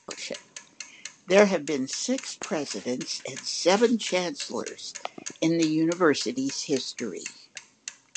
There have been six presidents and seven Chancellors in the university's history.